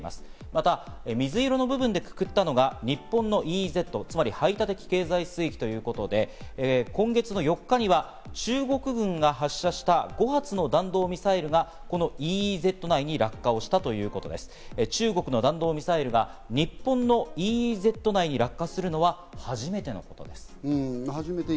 また水色の部分でくくったのが、日本のＥＥＺ＝排他的経済水域ということで、今月の４日には中国軍が発射した５発の弾道ミサイルがこのＥＥＺ内に落下をしたということで、中国の弾道ミサイルが日本のＥＥＺ内に落下するのは初めてのことです。